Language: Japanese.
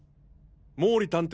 毛利探偵